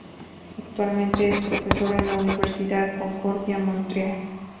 Actualmente es profesor en la Universidad Concordia, Montreal.